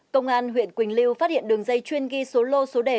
công an huyện quỳnh lưu phát hiện đường dây chuyên ghi số lô số đề